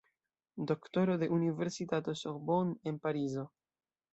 Doktoro de Universitato Sorbonne en Parizo.